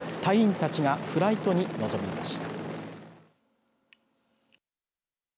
式のあと、隊員たちがフライトに臨みました。